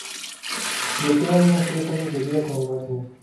Le quedan unos tres años de vida como máximo.